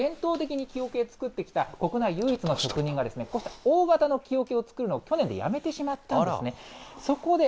というのも、伝統的に木おけ作ってきた国内唯一の職人が大型の木おけを作るのを、去年でやめてしまったんですね。